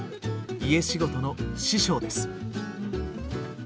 家仕事の師匠です。